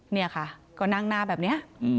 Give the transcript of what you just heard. นี่ค่ะก็นั่งหน้าแบบนี้